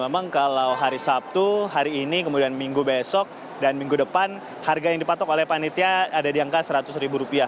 memang kalau hari sabtu hari ini kemudian minggu besok dan minggu depan harga yang dipatok oleh panitia ada di angka seratus ribu rupiah